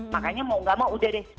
makanya mau gak mau udah deh